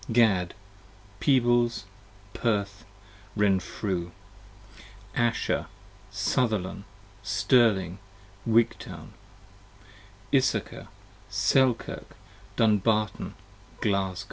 Gad, Peebles, Perth, Renfru. Asher, Sutherlan, Stirling, Wigtoun. Issachar, Selkirk, Dumbartn, Glasgo.